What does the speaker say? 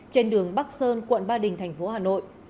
trên đường bắc sơn quận ba đình thành phố hà nội